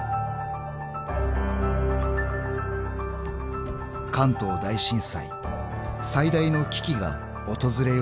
［関東大震災最大の危機が訪れようとしていた］